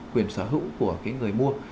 quyền sở hữu của người mua